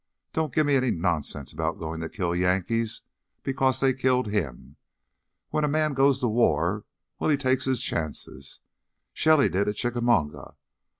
Don't give me any nonsense about goin' to kill Yankees because they killed him! When a man goes to war ... well, he takes his chances. Shelly did at Chickamauga.